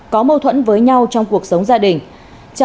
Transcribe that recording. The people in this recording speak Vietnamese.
có mâu thuẫn với nhau trong cuộc sống gia đình